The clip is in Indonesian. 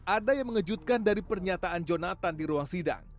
ada yang mengejutkan dari pernyataan jonathan di ruang sidang